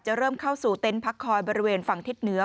เริ่มเข้าสู่เต็นต์พักคอยบริเวณฝั่งทิศเหนือ